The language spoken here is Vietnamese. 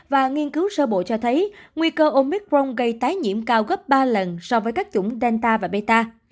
và nghiên cứu sơ bộ cho thấy nguy cơ omicron gây tái nhiễm cao gấp ba lần so với các chủng delta và meta